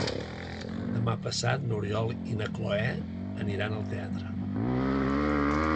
Demà passat n'Oriol i na Cloè aniran al teatre.